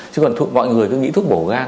chứ còn mọi người cứ nghĩ thuốc bổ gan